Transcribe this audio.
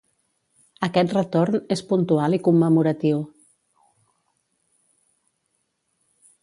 Aquest retorn és puntual i commemoratiu.